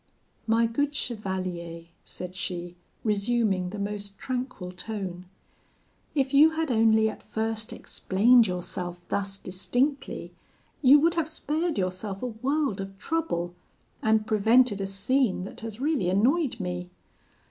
'My good chevalier,' said she, resuming the most tranquil tone, 'if you had only at first explained yourself thus distinctly, you would have spared yourself a world of trouble, and prevented a scene that has really annoyed me.